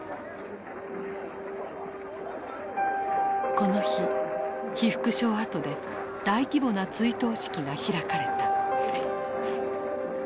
この日被服廠跡で大規模な追悼式が開かれた。